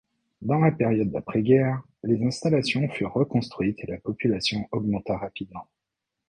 Dans la période d'après-guerre, les installations furent reconstruites et la population augmenta rapidement.